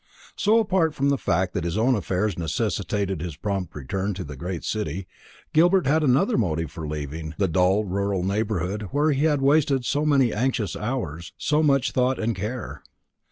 So, apart from the fact that his own affairs necessitated his prompt return to the great city, Gilbert had another motive for leaving the dull rural neighbourhood where he had wasted so many anxious hours, so much thought and care.